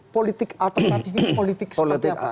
politik alternatif ini politik seperti apa